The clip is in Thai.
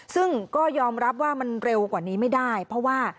ซึ่งก็ยอมรับว่ามันเร็วกว่านี้ไม่ได้เพราะว่า